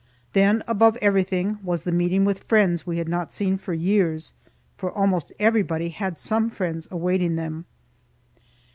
Then, above everything, was the meeting with friends we had not seen for years; for almost everybody had some friends awaiting them.